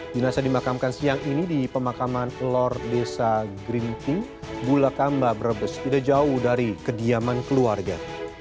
jenasa dimakamkan siang ini di pemakaman lord desa grimting gula kamba brebes tidak jauh dari kediaman keluarga